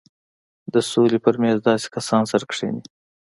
د سولې پر مېز داسې کسان سره کښېني.